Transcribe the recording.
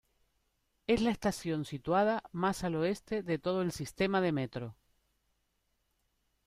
Es la estación situada más al Oeste de todo el sistema de metro.